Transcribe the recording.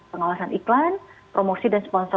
pengawasan iklan promosi dan sponsor